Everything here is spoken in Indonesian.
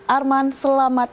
arman selamat datang